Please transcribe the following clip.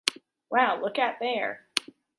Wow, look at there.